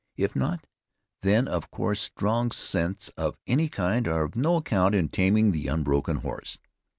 If not, then of course strong scents of any kind are of no account in taming the unbroken horse.